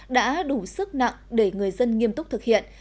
đã đủ sức nặng để người dân nghiêm túc thực hiện